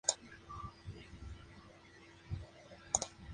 Su hijo Carlos Frederico lo sucedió en sus títulos.